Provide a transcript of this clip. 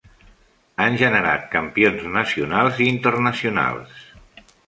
Han generat campions nacionals i internacionals.